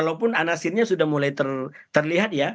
walaupun anasirnya sudah mulai terlihat ya